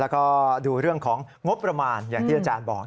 แล้วก็ดูเรื่องของงบประมาณอย่างที่อาจารย์บอก